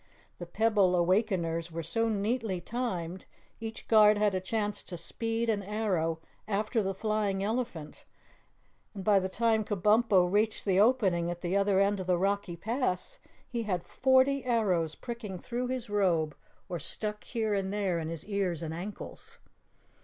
The pebble awakeners were so neatly timed, each guard had a chance to speed an arrow after the flying elephant, and by the time Kabumpo reached the opening at the other end of the rocky pass, he had forty arrows pricking through his robe or stuck here and there in his ears and ankles.